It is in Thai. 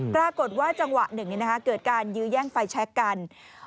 ปรากฏว่าจังหวะหนึ่งเกิดการยื้อแย่งไฟแชคกัน